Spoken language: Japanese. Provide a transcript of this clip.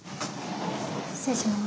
失礼します。